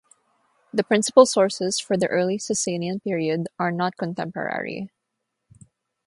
The principal sources for the early Sasanian period are not contemporary.